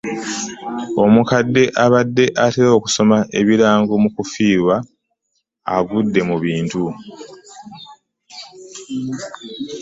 Omukadde abadde atera okusoma ebirango mu kufirwa agudde mu bintu.